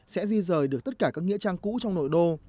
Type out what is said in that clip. sẽ di rời được tất cả các nghĩa trang cũ trong nội đô